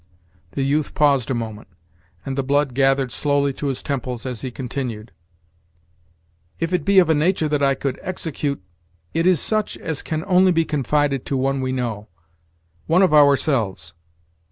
The youth paused a moment, and the blood gathered slowly to his temples as he continued: "If it be of a nature that I could execute " "It is such as can only be confided to one we know one of ourselves."